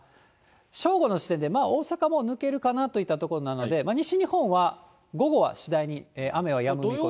正午の時点で、大阪、もう抜けるかなといったところなので、西日本は午後は次第に雨はやむ見込み。